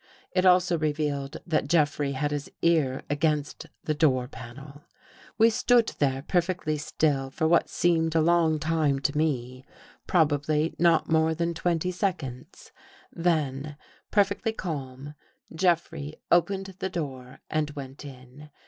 It also revealed that Jeffrey had his ear against the door panel. We stood there perfectly still for what seemed a 220 THE HOUSEBREAKERS long time to me, probably not more than twenty seconds. Then, perfectly calm, Jeffrey opened the door and went in.